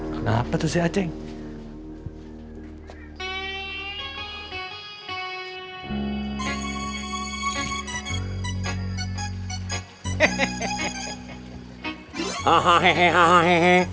kenapa tuh si aceh